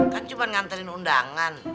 kan cuma ngantarin undangan